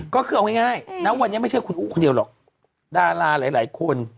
ก็คือเอาง่ายนะวันนี้ไม่ใช่คุณอู๋คนเดียวหรอกดาราหลายคน